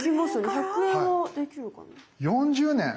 １００円はできるかな。